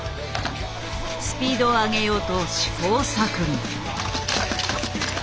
スピードを上げようと試行錯誤。